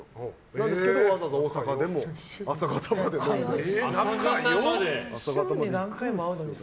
なんですけど、わざわざ大阪でも朝方まで飲んで。